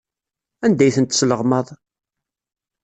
Anda ay ten-tesleɣmaḍ?